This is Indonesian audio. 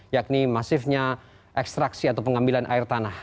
yakni masifnya ekstraksi atau pengambilan air tanah